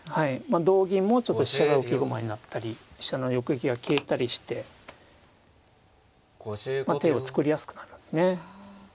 同銀もちょっと飛車が浮き駒になったり飛車の横利きが消えたりして手を作りやすくなるんですね。